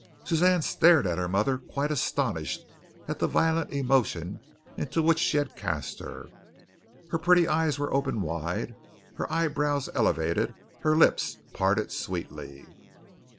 Suzanne stared at her mother quite astonished at the violent emotion into which she had cast her. Her pretty eyes were open wide, her eyebrows elevated, her lips parted sweetly.